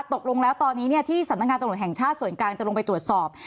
ตกลงแล้วตอนนี้ที่สำนักงานตำรวจแห่งชาติส่วนกลางจะลงไปตรวจสอบ